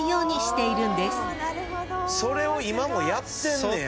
それを今もやってんねや。